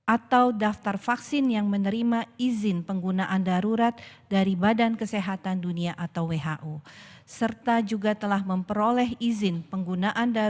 atau daftar vaksin yang menerima izin penggunaan darurat dari badan kesehatan